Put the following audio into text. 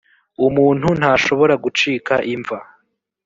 umuntu ntashobora gucika imva